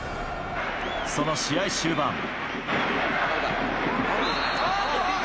その試合終盤。